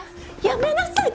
やめなさい